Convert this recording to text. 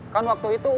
kan waktu itu udah